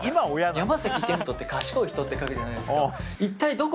山賢人って賢い人って書くじゃないですか。